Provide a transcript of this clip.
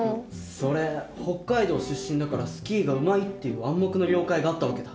それ北海道出身だからスキーがうまいっていう「暗黙の了解」があった訳だ。